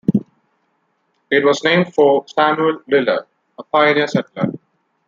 It was named for Samuel Diller, a pioneer settler.